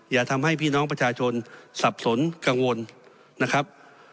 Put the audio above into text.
อย่าทำให้พี่น้องประชาชนสับสนกังวลนะครับ